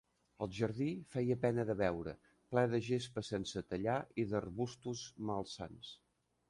El jardí feia pena de veure, ple de gespa sense tallar i d'arbustos malsans.